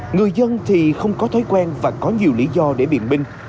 người dân thì không có thói quen và có nhiều lý do để biện minh